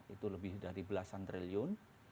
itu lebih dari belasan triliun